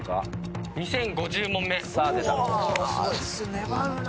粘るな。